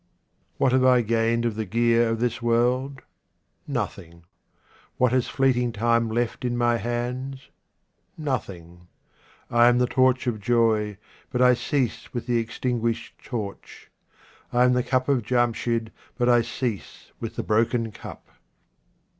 What have I gained of the gear of this world ? Nothing. What has fleeting time left in my hands ? Nothing. I am the torch of joy, but 1 cease with the extinguished torch. I am the cup of Jamshid, but I cease with the broken cup.